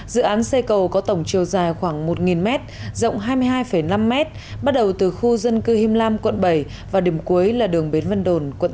dự án xây cầu có tổng chiều dài khoảng một m rộng hai mươi hai năm m bắt đầu từ khu dân cư him lam quận bảy và điểm cuối là đường bến vân đồn quận tám